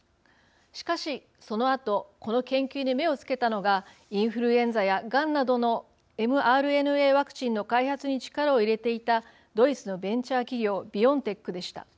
しかし、そのあとこの研究に目をつけたのがインフルエンザやがんなどのｍＲＮＡワクチンの開発に力を入れていたドイツのベンチャー企業ビオンテックでした。